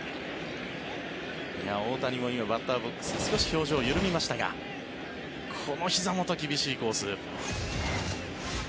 大谷も今、バッターボックスで少し表情が緩みましたがこのひざ元、厳しいコース。